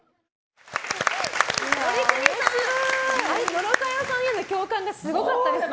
モリクミさん野呂佳代さんへの共感がすごかったですね。